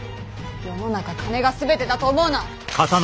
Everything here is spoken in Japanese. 世の中金がすべてだと思うな！